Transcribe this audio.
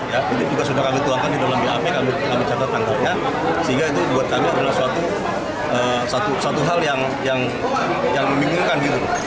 jadi sudah kami tuangkan di dalam bap kami catat tanggalnya sehingga itu buat kami adalah suatu hal yang membingungkan